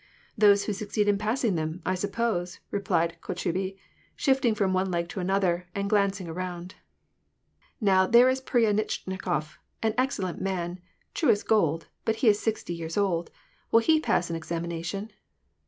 " Those who succeed in passing them, I suppose," replied Kotchubey, shifting from one leg to the other, and glancing around. " Now, there is Pryanitchnikof, an excellent nv^n, true as gold, but he is sixty years old : will he pass an examination